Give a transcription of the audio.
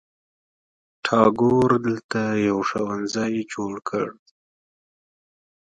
ټاګور دلته یو ښوونځي جوړ کړ.